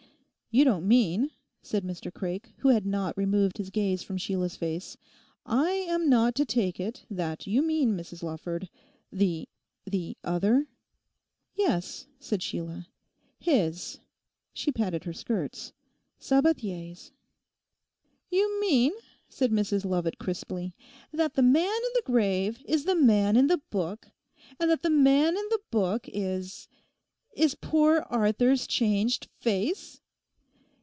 'You don't mean,' said Mr Craik, who had not removed his gaze from Sheila's face, 'I am not to take it that you mean, Mrs Lawford, the—the other?' 'Yes,' said Sheila, 'his'—she patted her skirts—'Sabathier's.' 'You mean,' said Mrs Lovat crisply, 'that the man in the grave is the man in the book, and that the man in the book is—is poor Arthur's changed face?